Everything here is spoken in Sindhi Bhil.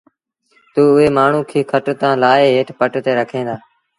تا اُئي مآڻهوٚٚݩ کي کٽ تآݩ لآهي هيٺ پٽ تي رکين دآ